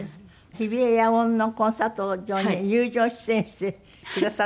日比谷野音のコンサート場に友情出演してくださったって？